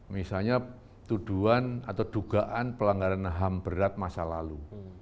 misalnya tuduhan atau dugaan pelanggaran ham berat masa lalu